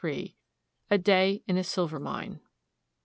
XXXIII. A DAY IN A SILVER MINE.